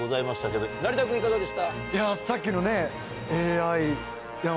いやさっきのね。